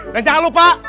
dan jangan lupa